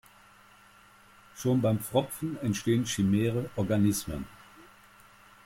Schon beim Pfropfen entstehen chimäre Organismen.